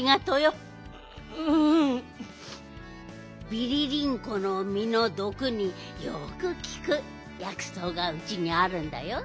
ビリリンコのみのどくによくきくやくそうがうちにあるんだよ。